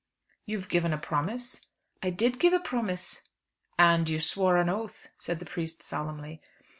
"You've given a promise?" "I did give a promise." "And you swore an oath," said the priest solemnly.